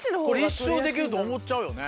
一生できると思っちゃうよね。